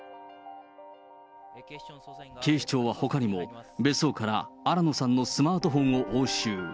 警視庁はほかにも、別荘から新野さんのスマートフォンを押収。